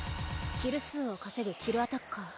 キル数を稼ぐキルアタッカー。